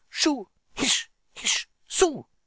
"Shoo! Hish! Hish! Shoo!"